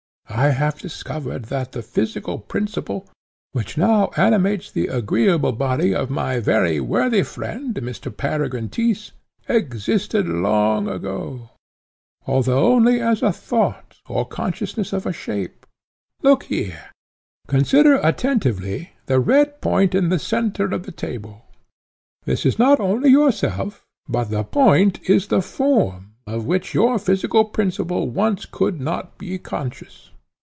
I have discovered that the physical principle, which now animates the agreeable body of my very worthy friend, Mr. Peregrine Tyss, existed long ago, although only as a thought or consciousness of a shape. Look here; consider attentively the red point in the centre of the table. That is not only yourself, but the point is the form, of which your physical principle once could not be conscious.